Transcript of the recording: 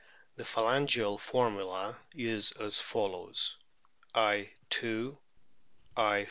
The phalangeal formula is as follows : 1,2. I, 5.